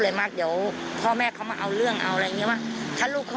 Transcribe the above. เราก็ไม่กล้ายุ่งไงเราไม่อยากยุ่ง